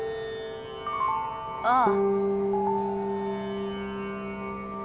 ああ。